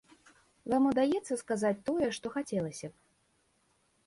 Вам удаецца сказаць тое, што хацелася б?